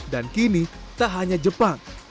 dan kini tak hanya jepang